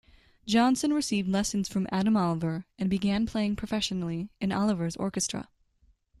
Johnson received lessons from Adam Olivier and began playing professionally in Olivier's orchestra.